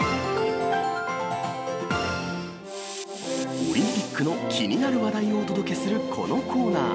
オリンピックの気になる話題をお届けするこのコーナー。